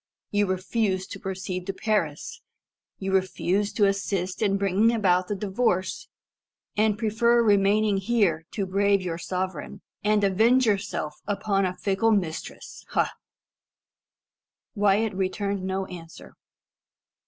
You refuse to proceed to Paris. You refuse to assist in bringing about the divorce, and prefer remaining here to brave your sovereign, and avenge yourself upon a fickle mistress. Ha?" Wyat returned no answer.